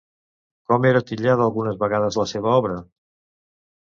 Com era titllada algunes vegades la seva obra?